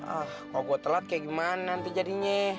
ah kalo gua telat kayak gimana nanti jadinya